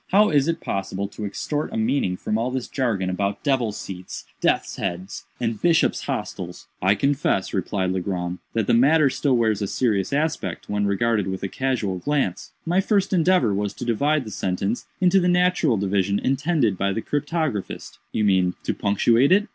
How is it possible to extort a meaning from all this jargon about 'devil's seats,' 'death's heads,' and 'bishop's hotels?'" "I confess," replied Legrand, "that the matter still wears a serious aspect, when regarded with a casual glance. My first endeavor was to divide the sentence into the natural division intended by the cryptographist." "You mean, to punctuate it?"